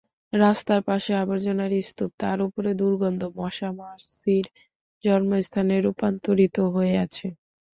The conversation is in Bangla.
রাস্তার পাশে আবর্জনার স্তূপ, তার ওপরে দুর্গন্ধ, মশা-মাছির জন্মস্থানে রূপান্তরিত হয়ে আছে।